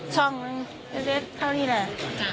ช่องเท่านี้แหละ